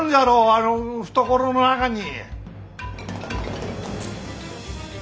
あの懐の中に。